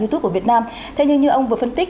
yout của việt nam thế nhưng như ông vừa phân tích